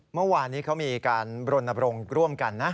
เมื่อวานนี้เขามีการบรณบรงค์ร่วมกันนะ